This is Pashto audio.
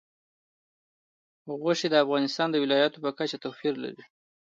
غوښې د افغانستان د ولایاتو په کچه توپیر لري.